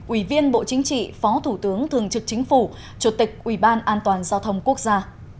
ủy viên bộ chính trị phó thủ tướng thường trực chính phủ chủ tịch ủy ban an toàn giao thông quốc gia